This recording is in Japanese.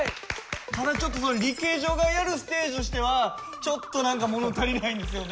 ただちょっとリケジョがやるステージとしてはちょっと何かもの足りないんですよね。